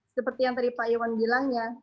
seperti yang tadi pak iwan bilang ya